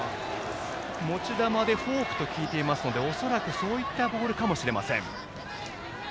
持ち球でフォークと聞いていますので恐らく、そういったボールかもしれません。